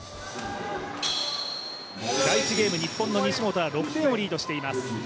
第１ゲーム、日本の西本は６点リードしています。